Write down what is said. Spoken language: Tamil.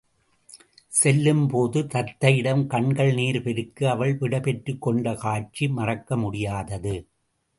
செல்லும்போது தத்தையிடம் கண்கள் நீர் பெருக்க அவள் விடை பெற்றுக் கொண்டகாட்சி மறக்க முடியாதது.